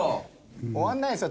終わらないですよ